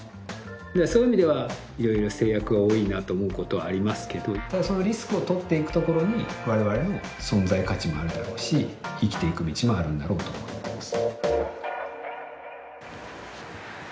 そういう意味ではいろいろ制約が多いなと思うことはありますけどただそのリスクを取っていくところに我々の存在価値もあるだろうし生きていく道もあるんだろうと思います。